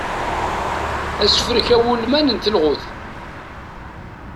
Asefrek awurman n telɣut.